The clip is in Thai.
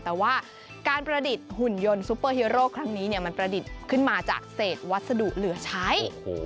แต่ว่าการประดิษฐ์หุ่นยนต์ซุปเปอร์ฮีโร่ครั้งนี้มันประดิษฐ์ขึ้นมาจากเศษวัสดุเหลือใช้